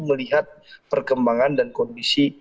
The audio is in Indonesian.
melihat perkembangan dan kondisi